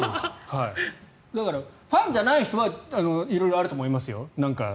だからファンじゃない人は色々あると思いますよ。